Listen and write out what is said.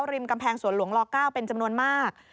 ริมกำแพงสวนหลวงล๙เป็นจำนวนมาก